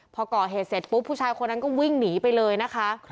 พอก่อเหตุเสร็จปุ๊บผู้ชายคนนั้นก็วิ่งหนีไปเลยนะคะ